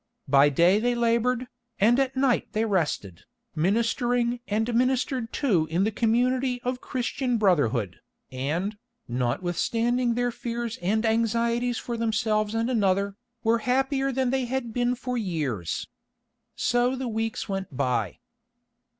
By day they laboured, and at night they rested, ministering and ministered to in the community of Christian brotherhood, and, notwithstanding their fears and anxieties for themselves and another, were happier than they had been for years. So the weeks went by.